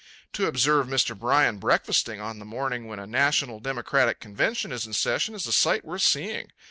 To observe Mr. Bryan breakfasting on the morning when a national Democratic convention is in session is a sight worth seeing.